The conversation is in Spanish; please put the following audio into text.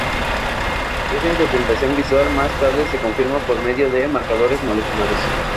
Esa apreciación visual más tarde se confirma por medio de marcadores moleculares.